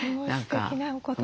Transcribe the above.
すごいすてきなお言葉。